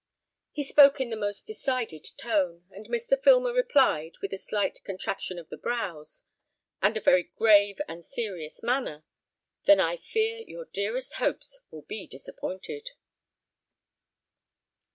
He spoke in the most decided tone; and Mr. Filmer replied, with a slight contraction of the brows, and a very grave and serious manner, "Then I fear your dearest hopes will be disappointed."